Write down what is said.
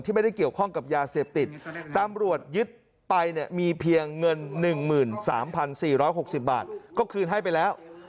ไม่ได้เกี่ยวข้องกับยาเสพติดตำรวจยึดไปเนี่ยมีเพียงเงิน๑๓๔๖๐บาทก็คืนให้ไปแล้ว